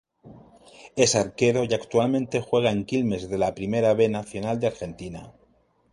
Es arquero y actualmente juega en Quilmes de la Primera B Nacional de Argentina.